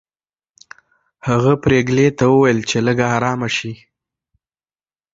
هغه پريګلې ته وویل چې لږه ارامه شي